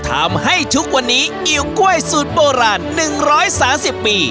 ทำให้ทุกวันนี้ไอ้ไก้สูตรโบราณหนึ่งร้อยสาวสิบปี